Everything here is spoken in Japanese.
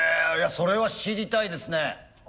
それは知りたいですね。